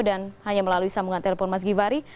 dan hanya melalui sambungan telepon mas givhary